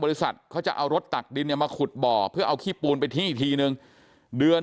บริษัทเขาจะเอารถตักดินเนี่ยมาขุดบ่อเพื่อเอาขี้ปูนไปที่ทีนึงเดือน